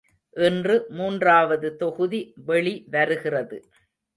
இன்று மூன்றாவது தொகுதி வெளிவருகிறது.